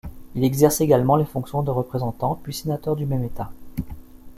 Il exerce également les fonctions de représentant puis sénateur du même État.